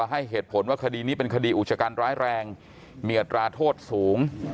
ให้เหตุผลว่าคดีนี้เป็นคดีอุชกันร้ายแรงมีอัตราโทษสูง